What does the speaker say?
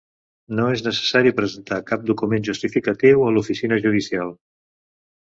No és necessari presentar cap document justificatiu a l'oficina judicial.